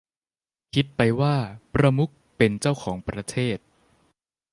คิดไปว่าประมุขเป็นเจ้าของประเทศ